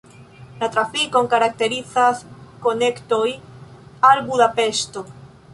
La trafikon karakterizas konektoj al Budapeŝto.